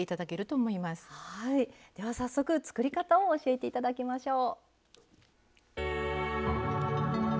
では早速作り方を教えて頂きましょう。